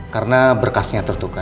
karena berkasnya tertukar